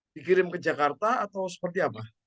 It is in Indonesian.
dikirim ke jakarta atau seperti apa